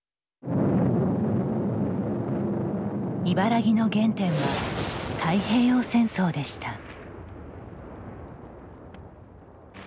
茨木の原点は太平洋戦争でした。